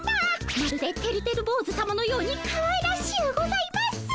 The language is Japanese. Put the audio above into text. まるでてるてるぼうずさまのようにかわいらしゅうございます。